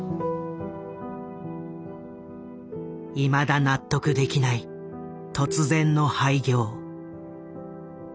いまだ納得できない突然の廃業。